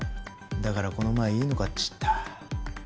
だからこの前いいの買っちった。